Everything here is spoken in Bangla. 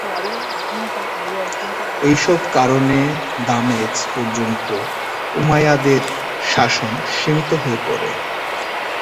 এসব কারণে দামেস্ক পর্যন্ত উমাইয়াদের শাসন সীমিত হয়ে পড়ে।